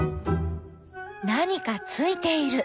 何かついている。